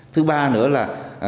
thứ ba nữa là